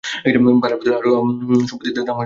বাড়ার বদলে আরো সম্পত্তির দাম কমে গিয়েছে।